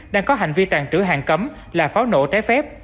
đang có hành vi tàn trữ hàng cấm là pháo nổ trái phép